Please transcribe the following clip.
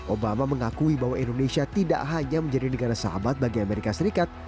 obama mengakui bahwa indonesia tidak hanya menjadi negara sahabat bagi amerika serikat